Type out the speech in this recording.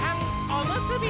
おむすび！